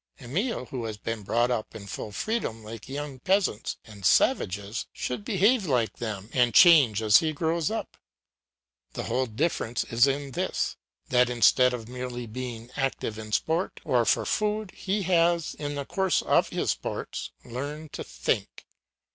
Emile, who has been brought up in full freedom like young peasants and savages, should behave like them and change as he grows up. The whole difference is in this, that instead of merely being active in sport or for food, he has, in the course of his sports, learned to think.